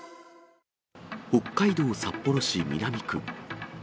北海道札幌市南区。